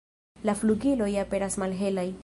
La flugiloj aperas malhelaj.